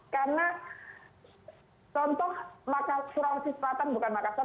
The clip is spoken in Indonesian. karena contoh makassar surawesi selatan bukan makassar